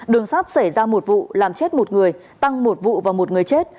đường sắt xảy ra một vụ làm chết một người tăng một vụ và một người chết